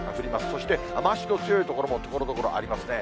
そして、雨足の強い所もところどころありますね。